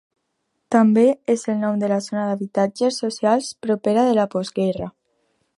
També és el nom de la zona d'habitatges socials propera de la post-guerra.